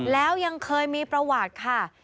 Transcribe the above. แล้วยังเคยมีประวัติค่ะ